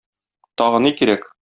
Тагы ни кирәк?